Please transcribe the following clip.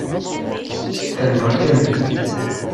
Fehmeɣ-kem.